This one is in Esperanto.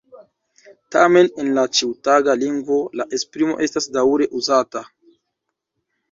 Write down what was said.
Tamen en la ĉiutaga lingvo la esprimo estas daŭre uzata.